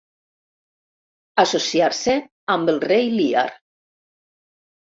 Associar-se amb el rei Lear.